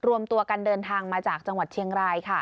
รวมตัวกันเดินทางมาจากจังหวัดเชียงราย